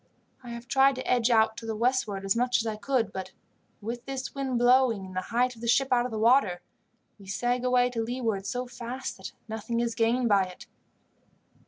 I have tried to edge out to the westward as much as I could, but with this wind blowing and the height of the ship out of water, we sag away to leeward so fast that nothing is gained by it.